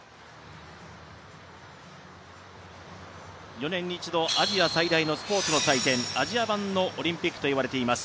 ４年に一度アジア最大のスポーツの祭典アジア版オリンピックといわれています